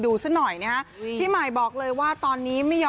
ดูซักหน่อย